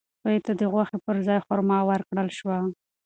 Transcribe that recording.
سپي ته د غوښې پر ځای خورما ورکړل شوه.